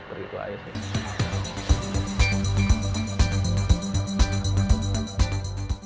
terik lah ya sih